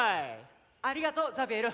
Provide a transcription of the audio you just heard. ありがとうザビエル。